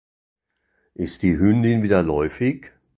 Ist die Hündin wieder läufig?